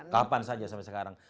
kapan saja sampai sekarang